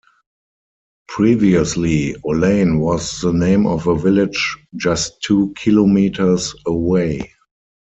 Previously, Olaine was the name of a village just two kilometers away.